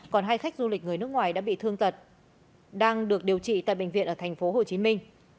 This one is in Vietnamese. còn hai khách du lịch người nước ngoài đã bị thương tật đang được điều trị tại bệnh viện ở thành phố hồ chí minh